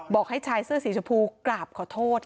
บอกให้ชายเสื้อสีชมพูกราบขอโทษ